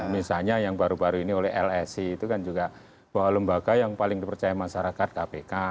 misalnya yang baru baru ini oleh lsi itu kan juga bahwa lembaga yang paling dipercaya masyarakat kpk